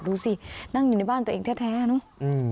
ดูสินั่งอยู่ในบ้านตัวเองแท้เนอะ